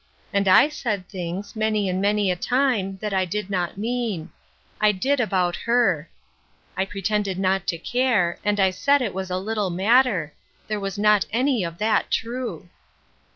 And I said things, many and many a time, that I did not mean. I did about her ; I pretended not to care, and I said it was a little matter. There was not any of that true."